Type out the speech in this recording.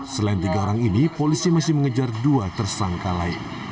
selain tiga orang ini polisi masih mengejar dua tersangka lain